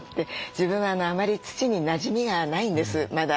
自分はあまり土になじみがないんですまだ。